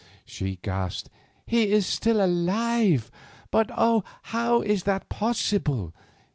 she gasped. "He is still alive? But, oh, how is that possible?